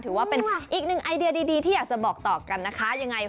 ถือว่าเป็นอีกหนึ่งไอเดียดีที่อยากจะบอกต่อกันนะคะยังไง